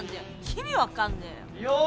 意味分かんねえよ。